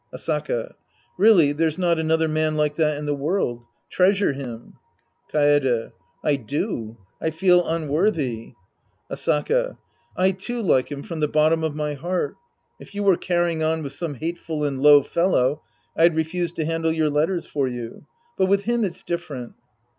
Asaka. Really there's not another man like that in the world. Treasure him. Kaede. I do. I feel unworthy. Asaka. I, too, like him from the bottom of my heart. If you were carrying on with some hateful and low fellow, I'd refuse to handle your letters for you, but with him it's different.